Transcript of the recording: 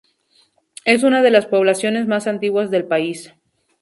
Es una de las poblaciones más antiguas del país.